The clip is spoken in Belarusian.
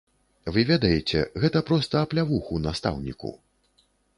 Вы ведаеце, гэта проста аплявуху настаўніку.